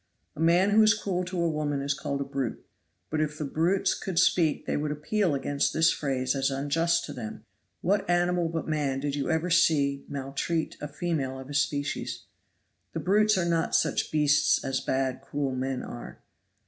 A man who is cruel to a woman is called a brute, but if the brutes could speak they would appeal against this phrase as unjust to them. What animal but man did you ever see maltreat a female of his species? The brutes are not such beasts as bad, cruel men are.